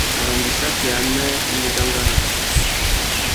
Arandissaki amê i mú dangari.